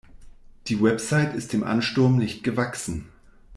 Die Website ist dem Ansturm nicht gewachsen.